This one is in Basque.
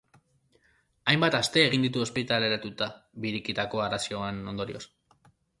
Hainbat aste egin ditu ospitaleratuta, biriketako arazoen ondorioz.